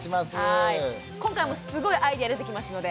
今回もすごいアイデア出てきますので。